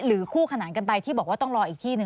คู่ขนานกันไปที่บอกว่าต้องรออีกที่หนึ่ง